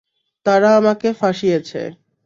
তারা আমাকে ফাঁসিয়েছে।